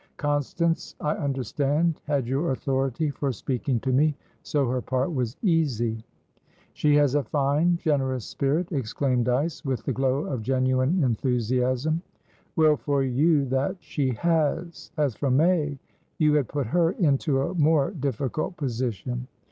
Constance, I understand, had your authority for speaking to me, so her part was easy." "She has a fine, generous spirit!" exclaimed Dyce, with the glow of genuine enthusiasm. "Well for you that she has. As for May, you had put her into a more difficult position."